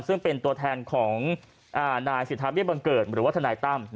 ซึ่งเป็นตัวแทนของนายสิทธาเบี้บังเกิดหรือว่าทนายตั้ม